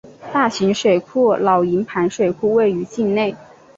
大型水库老营盘水库位于境内。